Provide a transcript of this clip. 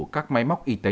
các máy móc y tế hiệu